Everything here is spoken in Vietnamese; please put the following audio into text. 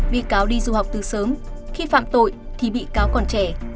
bị cáo đi du học từ sớm khi phạm tội thì bị cáo còn trẻ